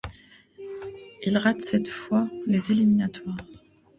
Ils ratent cette fois les éliminatoires.